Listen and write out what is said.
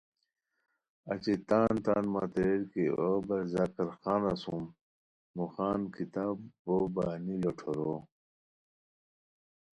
اچی تان تان متین ریر کی اوا برزاکرخان اسوم، موخان کتابو بانی لوٹھورو